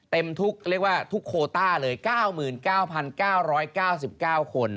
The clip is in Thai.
เต็มทุกทุกโคต้าเลย๙๙๙๙๙คน